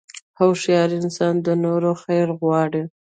هوښیار انسان د نورو خیر غواړي.